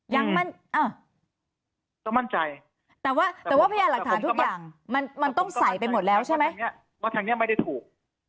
ต้องมั่นใจแต่ว่าแต่ว่าพยานหลักฐานทุกอย่างมันต้องใส่ไปหมดแล้วใช่ไหมว่าทางนี้ไม่ได้ถูก